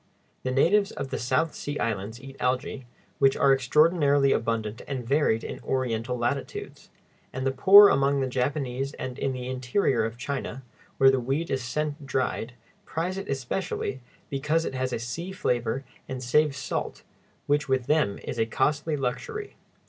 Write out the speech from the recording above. The natives of the South Sea Islands eat algæ, which are extraordinarily abundant and varied in Oriental latitudes; and the poor among the Japanese and in the interior of China, where the weed is sent dried, prize it especially, because it has a sea flavor and saves salt, which with them is a costly luxury.